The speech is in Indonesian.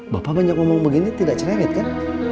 bapak banyak ngomong begini tidak cerewet kan